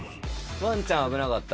わんちゃん、危なかった。